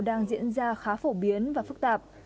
đang diễn ra khá phổ biến và phức tạp